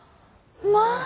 まあ！